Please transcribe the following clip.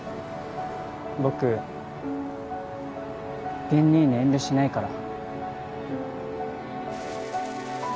僕玄兄に遠慮しないから。